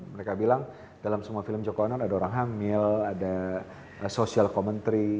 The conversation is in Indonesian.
mereka bilang dalam semua film joko anon ada orang hamil ada social commentary